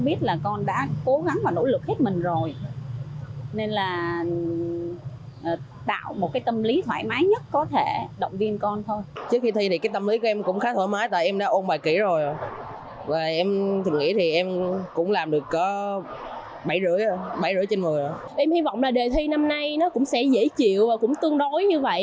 em hy vọng là đề thi năm nay cũng sẽ dễ chịu và cũng tương đối như vậy